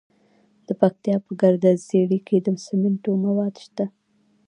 د پکتیا په ګرده څیړۍ کې د سمنټو مواد شته.